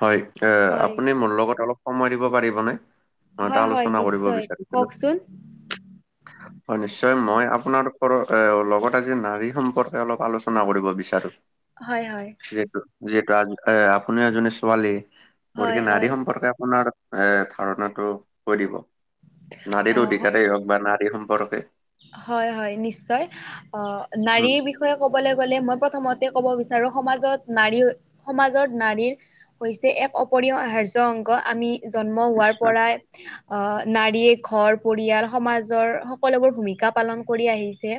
হয় হয়, আপুনি মোৰ লগত অলপ সময় দিব পাৰিবনে? অ এটা হয়, হয় আলোচনা কৰিব নিশ্চয় বিচাৰিছিলো। কওকচোন হয় নিশ্চয় মই আপোনালোকৰ এ লগত আজি নাৰী সম্পৰ্কে অলপ আলোচনা কৰিব বিচাৰো। হয় হয়। যিহেতু যিহেতু আ এ আপুনিও এজনী ছোৱালী হয়, গতিকে হয়। নাৰী সম্পৰ্কে আপোনাৰ- এ ধাৰণাটো কৈ দিব, নাৰীৰো অ', হ- অধিকতে হওক বা নাৰী সম্পৰ্কে? হয় হয় নিশ্চয় অ উম, নাৰীৰ বিষয়ে- বিষয়ে ক'বলৈ গ'লে মই প্ৰথমতে ক'ব বিচাৰো সমাজত নাৰী সমাজত নাৰীৰ- হৈছে এক অপৰিয় আহাৰ্য অংগ আমি- জন্ম হোৱাৰ নিশ্চয়। পৰাই আহ নাৰীয়ে ঘৰ পৰিয়াল সমাজৰ সকলোবোৰ ভমিকা পালন কৰি আহিছে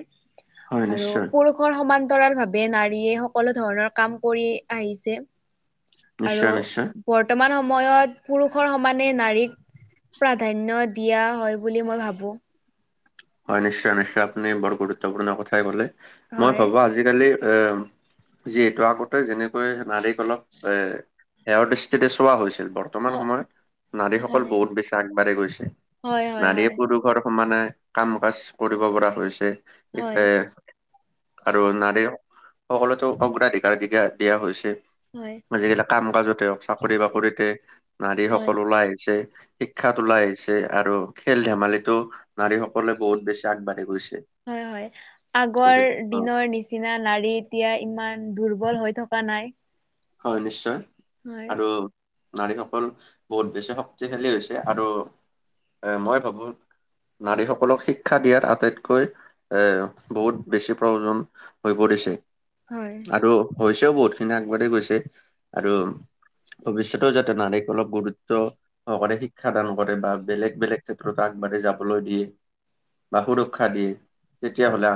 হয়, নিশ্চয়, আৰু খৰ সমান্তৰাল ভাৱে নাৰীয়ে সকলো ধৰণৰ কাম কৰি আহিছে আৰু নিশ্চয়, নিশ্চয়। বৰ্তমান সময়ত পুৰুষৰ সমানে নাৰীক প্ৰাধান্য দিয়া হয় বুলি মই ভাবো হয় নিশ্চয় নিশ্চয় আপুনি বৰ গুৰুত্বপূৰ্ণ কথাই কলে মই হয়। ভাবো আজি আজিকালি এ যিহেতু আগতে যেনেকৈ নাৰীক অলপ এ সেয় দৃষ্টিৰে চোৱা হৈছিল বৰ্তমান হয় সময়ত নাৰীসকল হয় বহুত বেছি আগবাঢ়ি গৈছে হয় হয় হয় নাৰীয়ে পুৰুষৰ সমানে কাম কাজ কৰিব পৰা হৈছে এ হয় টাই আৰু নাৰীৰ সকলোতো অগ্ৰাধিকাৰাধিকা দিয়া হৈছে হয় আজিকালি কাম কাজতে হওক চাকৰি বাকৰিতে নাৰী হয় সকল ওলাই আহিছে শিক্ষা তোলাই আহিছে আৰু খেল ধেমালিতো নাৰী সকলে বহুত বেছি আগবাঢ়ি গৈছে হয় হয় আগৰ গতিকে অ দিনৰ নিচিনা নিচিনা নাৰী এতিয়া ইমান দুৰ্বল হৈ থকা নাই হয় নিশ্চয় হয় আৰু নাৰীসকল বহুত বেছি শক্তিশালী হৈছে আৰু এ মই ভাবো নাৰীসকলক শিক্ষা দিয়াৰ আটাইতকৈ এ বহুত বেছি প্ৰয়োজন হৈ পৰিছে হয় আৰু হৈছেও বহুত খিনি আগবাঢ়ি গৈছে আৰু ভৱিষ্যতেও যাতে নাৰীক অলপ গুৰুত্ব চৰকাৰে শিক্ষ দান কৰে বা বেলেগ বেলেগ ক্ষেত্ৰত আগবাঢ়ি যাবলৈ দিয়ে বা সুৰক্ষা দিয়ে তেতিয়াাহলে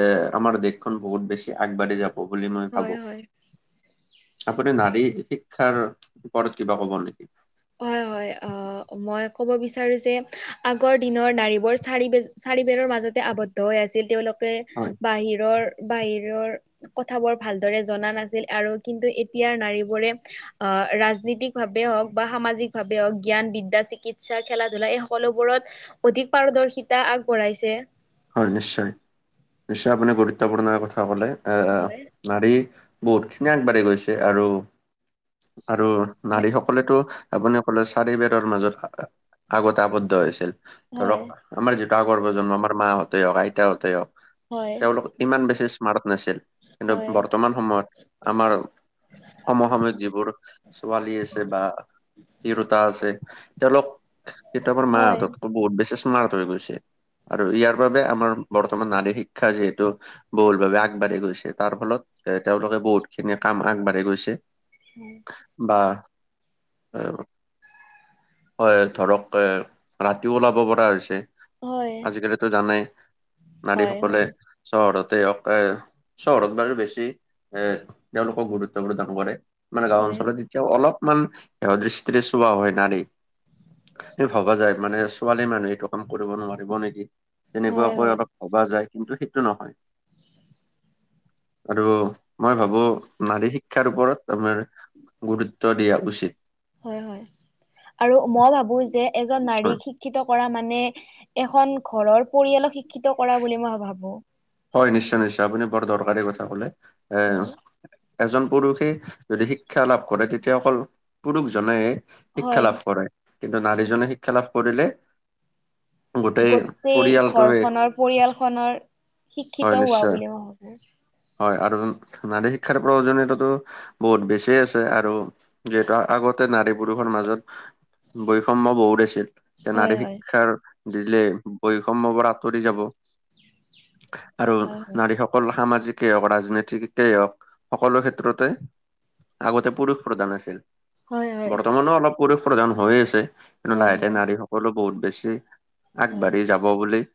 এ আমাৰ দেশখন বহুত বেছি আগবাঢ়ি যাব হব বুলি মই হয় ভাবো হয় আপুনি নাৰী শিক্ষাৰ ওপৰত কিবা কব নেকি হয় হয় মই ক'ব বিচাৰোঁ যে আগৰ দিনৰ নাড়ীবোৰ চাৰি চাৰিবেৰৰ মাজতে আৱদ্ধ তৈ আছিল তেওঁলোকে হয় বাহিৰৰ বাহিৰৰ কথাবোৰ ভালদৰে জনা নাছিল আৰু কিন্তু এতিয়াৰ নাৰীবোৰে অ ৰাজনীতিক ভাৱে হওক বা সামাজিকভাৱেও জ্ঞান বিদ্যা চিকিৎসা খেলা ধূলা এই সকলোবোৰত অধিক পাৰদৰ্শিতা আগবঢ়াইছে হয় নিশ্চয় নিশ্চয় আপুনি গুৰুত্বপূৰ্ণ কথা কলে হয় আহ নাৰী বহুত খিনি আগবাঢ়ি গৈছে আৰু আৰু হয় নাৰীসকলেতো আপুনি কলে চাৰি বেৰৰ মাজত আগতে আৱদ্ধ হৈছিল ধৰক আমাৰ যিটো আগৰ প্ৰজন্ম আমাৰ মাহঁতেই হওক আইতাহতেই হওক হয় তেওঁলোক ইমান বেছি স্মাৰ্ট নাছিল হয় কিন্তু বৰ্তমান সময়ত আমাৰ সম সময়ত যিবোৰ ছোৱালী আছে বা তিৰোতা আছে তেওঁলোক তেতিয়া আমাৰ হয় মাহঁতত বহুত বেছি স্মাৰ্ট হৈ গৈছে আৰু ইয়াৰ বাবে আমাৰ বৰ্তমান নাৰী শিক্ষা যিহেতু বহুল ভাবে আগবাঢ়ি গৈছে তাৰ ফলত এ তেওঁলোকে বহুত খিনি কাম আগবাঢ়ি গৈছে [unintelligible] বা হয় ধৰক এ ৰাতিও ওলাব পৰা হৈছে হয় আজিকালিতো জানেই হয় হয় নাৰীসকলে হয় চহৰতে হওঁক এ চহৰত বাৰু বেছি এ তেওঁলোকক গুৰুত্ব প্ৰদান কৰে মানে গাঁও হয় হয় অঞ্চলত এতিয়াও অলপমান দৃষ্টিৰে চোৱা হয় নাৰী এই ভবা যায় মানে ছোৱালী মানুহে এইটো কাম কৰিব নোৱাৰিব নেকি হয় হয় তেনেকুৱাকৈ অলপ ভবা যায় কিন্তু সেইটো নহয় আৰু মই ভাবো নাৰী শিক্ষাৰ ওপৰত আমাৰ গুৰুত্ব দিয়া উচিত হয় হয় আৰু মই ভাবো যে এজন হয়। নাৰীক শিক্ষিত কৰা মানে এখন ঘৰৰ পৰিয়ালক শিক্ষিত কৰা বুলি মই ভাবো হয় নিশ্চয় নিশ্চয় আপুনি বৰ দৰকাৰী কথা কলে এ হয় এজন পুৰুষে যদি শিক্ষা লাভ কৰে তেতিয়া অকল পুৰুষজনে শিক্ষা হয়, লাভ কৰে কিন্তু নাৰীজনে শিক্ষা লাভ কৰিলে গোটেই পৰিয়ালটোৱে পৰিয়ালখনৰ হয় শিক্ষিত হোৱা নিশ্চয় বুলি মই ভাবোঁ হয় আৰু নাৰী শিক্ষাৰ প্ৰয়োজনীয়তাতো বহুত বেছিয়ে আছে আৰু যিহেতু আগতে নাৰী পুৰুষৰ মাজত বৈষম্য বহুত আছিল তে হয় নাৰী হয় শিক্ষাৰ দিলে বৈষম্য বোৰ আঁতৰি যাব আৰু হয় হয় নাৰী সক সকল সামাজিকেই হওঁক, ৰাজনীতিকেই হওঁক সকলো ক্ষেত্ৰতে আগতে পুৰুষ প্ৰধান আছিল হয় বৰ্তমানোও অলপ পুৰুষ প্ৰধান হৈয়ে আছে কিন্তু হয় হয় এতিয়া নাৰী স সকলো বহুত বেছি হয় আগবাঢ়ি যাব বুলি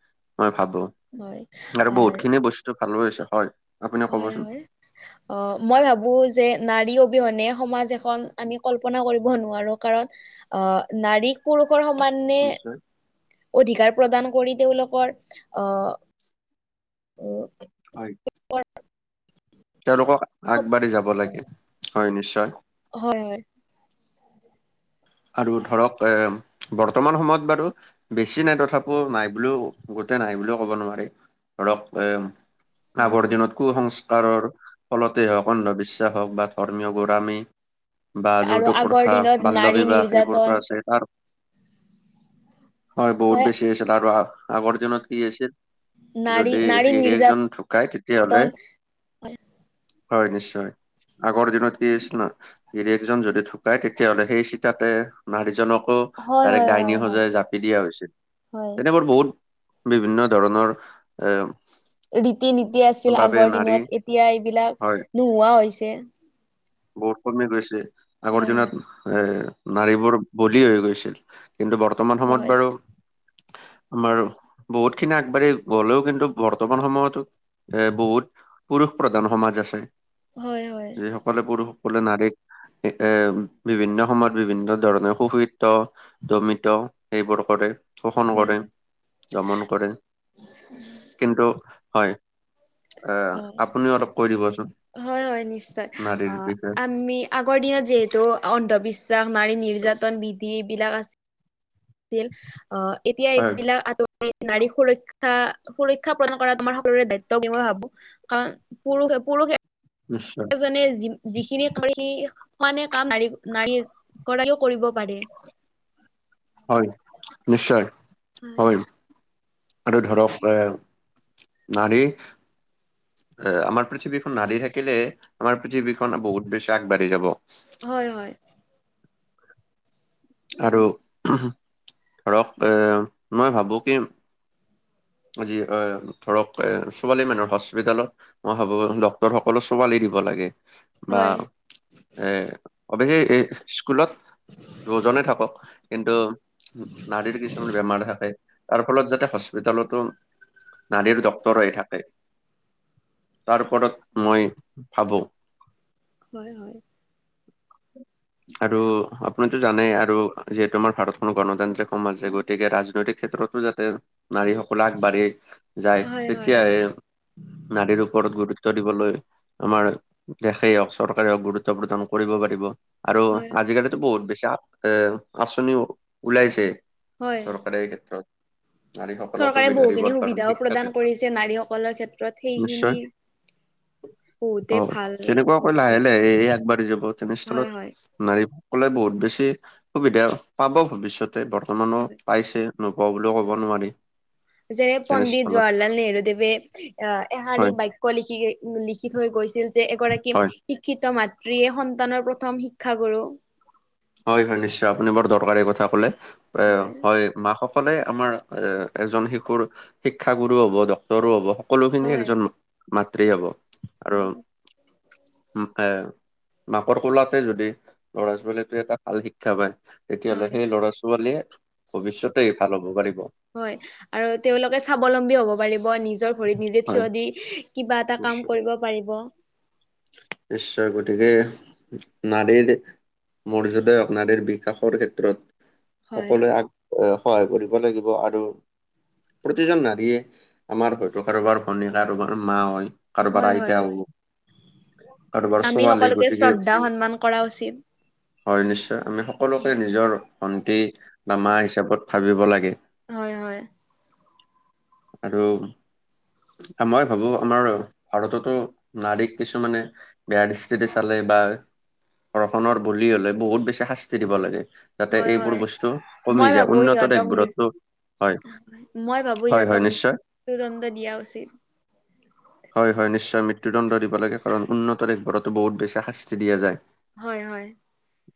মই ভাবো হয় আৰু হয় বহুত খিনি বস্তু ভালো হৈছে হয় আপুনি হয় হয় [inaudible] অ মই ভাবোঁ যে নাৰী অবিহনে সমাজ এখন আমি কল্পনাও কৰিব নোৱাৰোঁ কাৰণ অহ নাৰীক পুৰুষৰ সমানে নিশ্চয় অধিকাৰ প্ৰদান কৰি তেওঁলোকৰ অহ উ হয় তেওঁলোকক আহ আগবাঢ়ি যাব লাগে হয় নিশ্চয় হয় হয় আৰু ধৰক এ বৰ্তমান সময়ত বাৰু বেছি নাই তথাপিও নাই বুলিও গোটেই নাই বুলিও ক'ব নোৱাৰে ধৰক এ হয় আগৰ হয় দিনত কু-সংস্কাৰৰ ফলতেই হওঁক, অন্ধবিশ্বাস হওঁক বা ধৰ্মীয় বোৰ আমি বা আৰু যৌতুক আগৰ প্ৰথা, দিনত বাল্য নাৰী বি নিৰ্যাতন হয় বহুত বেছি আছিল আৰু আগৰ দিনত কি আছিল নাৰী যদি নাৰী গিৰিয়েকজন নিৰ্যাতন ঢুকায় তেতিয়াহ'লে হয় নিশ্চয় আগৰ দিনত কি আছিল ন গিৰিয়কজন যদি ঢুকাই তেতিয়াহ'লে সেই চি তাতে নাৰীজনকো হয় দাইৰেক হয় ডাইনী হয় হয় সজাই জাপি দিয়া হৈছিল হয় তেতিয়াটো বহুত বিভিন্ন ধৰণৰ এম ৰীতি নীতি আছিল আগৰ দিনত এতিয়া এইবিলাক হয় নোহোৱা হৈছে বহুত কমি গৈছে আগৰ হয় দিনত হয় এ নাৰীবোৰ বলি হৈ গৈছিল কিন্তু বৰ্তমান সময়ত হয় বাৰু আমাৰ বহুত খিনি আগবাঢ়ি গ'লেও কিন্তু বৰ্তমান সময়তো এ বহুত পুৰুষ প্ৰধান সমাজ আছে হয় হয় সকলে পুৰুষসকলে নাৰীক এ বিভিন্ন সময়ত বিভিন্ন ধৰণৰ সুখিত দমিত সেইবোৰ কৰে শোষণ হয় কৰে হয় দমন কৰে কিন্তু হয় এ অ আপুনিও অলপ কৈ দিব চোন হয় হয় নিশ্চয় অ আমি আগৰ দিনত যিহেতু অন্ধবিশ্ব বিশ্বাস নাৰী নিৰ্যাতন বিধি এইবিলাক আছিল অহ এতিয়া হয়, এইবিলাক নাৰী নাৰী সুৰক্ষা সুৰক্ষা প্ৰদান কৰা আমাৰ সকলোৰে দায়িত্ব বুলি মই ভাবো কাৰণ পুৰুষে পুৰুষে নিশ্চয় যিখিনি যিখিনি কৰি হোৱা নাই কাম নাৰী নাৰী এগৰাকীও কৰিব পাৰি হয় নিশ্চয় হয় আৰু ধৰক এ নাৰী এ আমাৰ পৃথিৱীখন নাৰী থাকিলে আমাৰ পৃথিৱীখন বহুত বিশ্বাস বাঢ়ি যাব হয় হয় আৰু ধৰক এ মই ভাবো কি আজি এ ধৰক এ ছোৱালী মানুহ হস্পিতেলত মই ভাবো ডক্তৰ সকল ছোৱালী দিব লাগে বা হয় এ অৱশ্যে এই স্কুলত দহজনে থাকক কিন্তু নাৰীৰ কিছুমান বেমাৰ থাকে তাৰ ফলত যাতে হস্পিতেলতো নাৰীৰ ডক্তৰ হৈ থাকে তাৰ ওপৰত মই ভাবো হয় হয় আৰু আপুনি জানে আৰু যিহেতু আমাৰ ভাৰতখন গণতান্ত্ৰিক সমাজ গতিকে ৰাজনৈতিক ক্ষেত্ৰতো যাতে নাৰীসকল আগবাঢ়ি যায় হয় হয় তেতিয়াহে হয় নাৰীৰ ওপৰত গুৰুত্ব দিবলৈ আমাৰ দেশেই হওক চৰকাৰে হওক গুৰুত্ব প্ৰদান কৰিব পাৰিব আৰু আজিকালি বহুত বেছি এ আঁচনিও ওলাইছে হয় চৰকাৰে এই ক্ষেত্ৰত নাৰী সকলক চৰকাৰে সুবিধা বহুখিনি দিবৰ কাৰণে সুবিধাও শিক্ষা প্ৰদান কৰিছে নাৰীসকলৰ ক্ষেত্ৰত সেইখিনি নিশ্চয় বহুতে অ ভাল তেনেকুৱাকে হৈছে লাহে লাহে হে আগবাঢ়ি যাব হয় তেনেস্থলত হয় নাৰীসকলে বহুত বেছি সুবিধা পাব ভৱিষ্যতে বৰ্তমানো পাইছে নোপোৱা বুলিও ক'ব নোৱাৰি যেনে পণ্ডিত তেনেস্থলত জৱাহৰলাল নেহৰু দেৱে আহ এহাৰি হয় বাক্য লিখি লিখি থৈ গৈছিল যে এগৰাকী হয় শিক্ষিত মাতৃয়ে সন্তানৰ প্ৰথম শিক্ষা গুৰু হয় হয় নিশ্চয় আপুনি বৰ দৰকাৰী কথা কলে এ হয় মাক সকলে আমাৰ এ এজন শিশুৰ শিক্ষাগুৰু হ'ব সৰু হব সকলো খিনি হয় এজন মাতৃ হব আৰু উম এ মাকৰ কোলাতে যদি ল'ৰা ছোৱালী দুই এটা ভাল শিক্ষা পায় তেতিয়াহ'লে হয় সেই ল'ৰা ছোৱালীয়ে ভৱিষ্যতে ভাল হ'ব পাৰিব। হয় আৰু তেওঁলোকে স্বাৱলম্বী হ'ব পাৰিব নিজৰ ভৰিত নিজে হয় থিয় দি কিবা এটা কাম নিশ্চয় কৰিব পাৰিব। নিশ্চয় গতিকে নাৰীৰ মৰ্যদা নাৰীৰ বিকাশৰ ক্ষেত্ৰত হয় সকলোৱে আগ এ সহায় কৰিব লাগিব আৰু প্ৰতিজন নাৰীয়ে আমাৰ হয়। ত' কাৰোবাৰ ভনী কাৰোবাৰ মা হয় হয় কাৰোবাৰ হয় আইতা হয় হ'ব। কাৰোবাৰ আমি ছোৱালী সকলোকে গতিকে শ্ৰদ্ধা সন্মান কৰা উচিত। হয় নিশ্চয় আমি সকলোকে নিজৰ ভন্টি বা মা হিচাপত ভাবিব লাগে। হয় হয়। আৰু মই ভাবোঁ আমাৰ ভাৰতটো নাৰীক কিছুমানে বেয়া দৃষ্টিৰে চালে বা ধৰ্ষণৰ বলি হ'লে বহুত বেছি শাস্তি দিব লাগে। যাতে হয় এইবোৰ হয় বস্তু কমি মই যায়। ভাবো উন্নত সিহঁতক মৃত দেশবোৰত টো হয়, মই ভাবো হয় সিহঁতক হয় নিশ্চয়। মৃত্যুদণ্ড দিয়া উচিত। [inaudible] হয় হয় নিশ্চয় মৃত্যুদণ্ড দিব লাগে কাৰণ উন্নত দেশবোৰতটো বহুত বেছি শাস্তি দিয়া যায়। হয় হয়।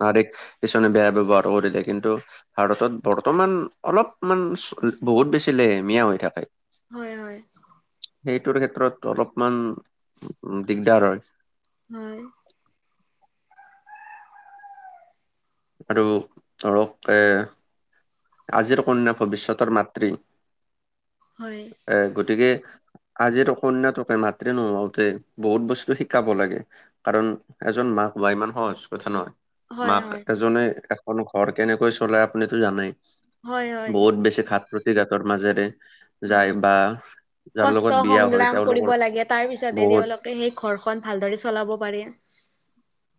নাৰীক কিছুমানে বেয়া ব্যৱহাৰ কৰিলে কিন্তু ভাৰতত বৰ্তমান অলপমান বহুত বেছি লেহেমীয়া হৈ থাকে। হয় হয়। সেইটোৰ ক্ষেত্ৰত অলপমান দিগদাৰ হয়। হয়। আৰু ধৰক এ আজিৰ কন্যা ভৱিষ্যতৰ মাতৃ। হয়। এ গতিকে আজিৰ কন্যাটোকে মাতৃ নহওঁতে বহুত বস্তু শিকাব লাগে। কাৰণ এজন মাক হোৱা ইমান সহজ কথা নহয়। হয় মাক এজনে এখন ঘৰ কেনেকৈ চলাই আপুনিতো জানেই। হয় হয় হয় বহুত বেছি ঘাত প্ৰতিঘাতৰ মাজেৰে হয় যায় বা যাৰ কষ্ট লগত বিয়া হয় সংগ্ৰাম কৰিব তেওঁলোকৰ লাগে তাৰ পিছতহে বহুত তেওঁলোকে সেই ঘৰখন ভালদৰে চলাব পাৰে।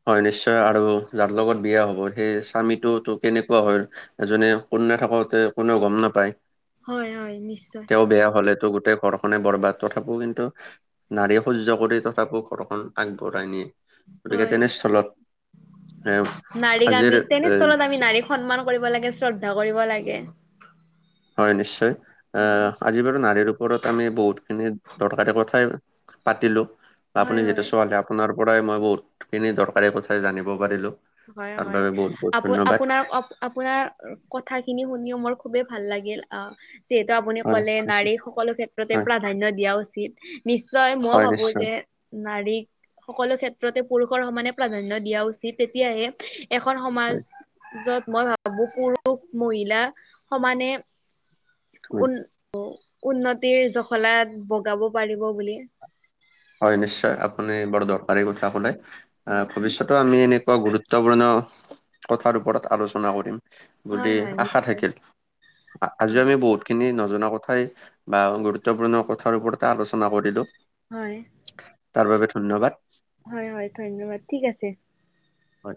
হয় নিশ্চয় আৰু যাৰ লগত বিয়া হ'ব সেই স্বামীটোতো কেনেকুৱা হয় এজনে কোনো নাথাকোতে কোনেও গম নাপায়। হয় হয় নিশ্চয়। তেওঁ বেয়া হ'লেতো গোটেই ঘৰখনে বৰবাদ তথাপিও কিন্তু নাৰীয়ে সহ্য কৰি তথাপিও ঘৰখন আগবঢ়াই নিয়ে। গতিকে হয়, তেনেস্থলত এ নাৰীক আজিৰ আমি তেনে স্হলত এ আমি নাৰীক সন্মান কৰিব লাগে শ্ৰদ্ধা কৰিব লাগে। হয় নিশ্চয় আহ আজি বাৰু নাৰীৰ ওপৰত আমি বহুতখিনি দৰকাৰী কথাই পাতিলো। বা হয় আপুনি যিহেতু হয় ছোৱালী আপোনাৰ পৰাই মই বহুতখিনি দৰকাৰী কথাই জানিব পাৰিলো। হয় তাৰ হয় বাবে বহুত বহুত আপ ধন্যবাদ আপোনাৰ অ আপোনাৰ কথাখিনি শুনিও মোৰ খুবেই ভাল লাগিল আহ। যিহেতু আপুনি হয় ক'লে নিশ্চয় নাৰীক সকলো ক্ষেত্ৰতে হয় প্ৰাধান্য দিয়া। উচিত নিশ্চয় মই হয় ভাবো নিশ্চয় যে- নাৰীক সকলো ক্ষেত্ৰতে পুৰুষৰ সমানে প্ৰাধান্য দিয়া উচিত তেতিয়াহে এখন হয় সমাজত মই ভাবোঁ পুৰুষ, মহিলা, সমানে। হয় উ উন্নতিৰ জখলাত বগাব পাৰিব বুলি। হয় নিশ্চয় আপুনি বৰ দৰকাৰী কথা কলে হয় আহ ভৱিষ্যতো আমি এনেকুৱা গুৰুত্ব গুৰুত্বপূৰ্ণ কথাৰ ওপৰত আলোচনা কৰিম। হয় বুলি হয় আশা নিশ্চয় থাকিল। হয় আজিও আমি বহুত খিনি নজনা কথাই বা গুৰুত্বপূৰ্ণ কথাৰ ওপৰতে আলোচনা কৰিলো। হয়। তাৰ বাবে ধন্যবাদ। হয় হয় ধন্যবাদ ঠিক আছে। হয়।